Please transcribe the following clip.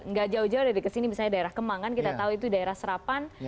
enggak jauh jauh dari kesini misalnya daerah kemang kan kita tahu itu daerah serapan